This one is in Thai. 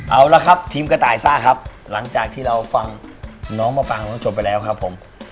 เอาละครับทีมกระต่ายซ่าครับหลังจากที่เราฟังน้องมะปางน้องชมไปแล้วครับผม